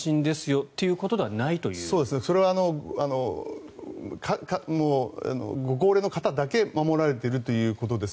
それはご高齢の方だけ守られているということです。